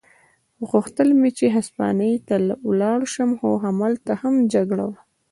غوښتل مې چې هسپانیې ته ولاړ شم، خو همالته هم جګړه وه.